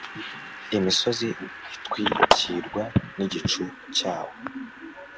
Imisozi itwikirwa nigicu cyawo